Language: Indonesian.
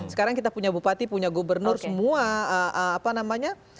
sekarang kita punya bupati punya gubernur semua apa namanya